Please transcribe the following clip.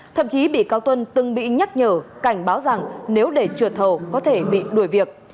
thậm chí bị cáo tuân từng bị nhắc nhở cảnh báo rằng nếu để trượt thầu có thể bị đuổi việc